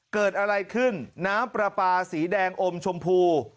เกิดอะไรขึ้นน้ำปลาปลาสีแดงอมชมพู